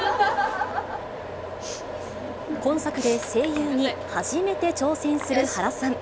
今作で声優に初めて挑戦する原さん。